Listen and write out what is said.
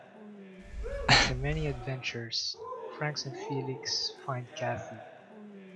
After many adventures, Franx and Felix find Kathy.